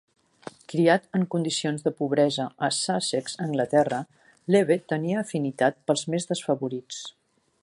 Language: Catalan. Criat en condicions de pobresa a Sussex, Anglaterra, Levett tenia afinitat pels més desfavorits.